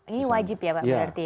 ini wajib ya pak berarti ya